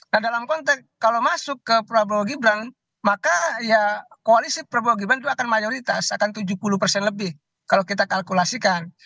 nah dalam konteks kalau masuk ke prabowo gibran maka ya koalisi prabowo gibran itu akan mayoritas akan tujuh puluh persen lebih kalau kita kalkulasikan